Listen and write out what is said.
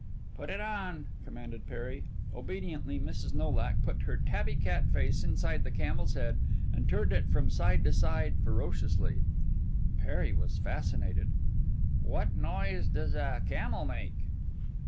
"Put it on," commanded Perry. Obediently Mrs. Nolak put her tabby cat face inside the camel's head and turned it from side to side ferociously. Perry was fascinated. "What noise does a camel make?"